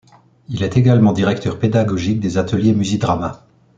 Il est également directeur pédagogique des ateliers Musidrama.